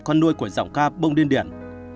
con nuôi của giọng ca bông điên điển